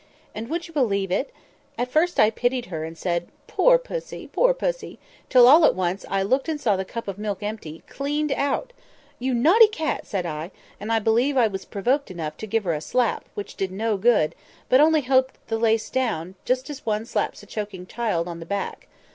And, would you believe it? At first I pitied her, and said 'Poor pussy! poor pussy!' till, all at once, I looked and saw the cup of milk empty—cleaned out! 'You naughty cat!' said I, and I believe I was provoked enough to give her a slap, which did no good, but only helped the lace down—just as one slaps a choking child on the back.